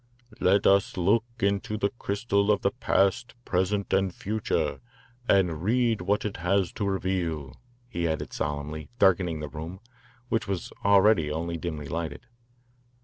"Let us look into the crystal of the past, present, and future and read what it has to reveal," he added solemnly, darkening the room, which was already only dimly lighted.